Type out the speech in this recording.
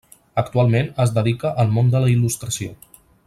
Actualment es dedica al món de la il·lustració.